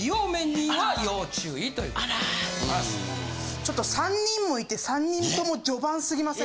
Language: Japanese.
ちょっと３人もいて３人とも序盤すぎません？